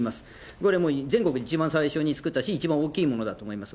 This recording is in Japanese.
これはもう、全国一番最初に作ったし、一番大きいものだと思います。